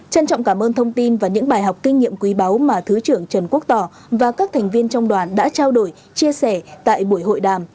trân trọng cảm ơn thông tin và những bài học kinh nghiệm quý báu mà thứ trưởng trần quốc tỏ và các thành viên trong đoàn đã trao đổi chia sẻ tại buổi hội đàm